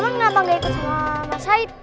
orang kenapa gak ikut sama mas haid